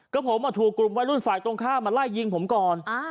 ก็ผมถูกกลุ่มวัยรุ่นฝ่ายตรงข้ามมาไล่ยิงผมก่อน